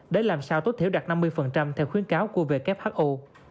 để làm sao tối thiểu đạt năm mươi theo khuyến cáo của who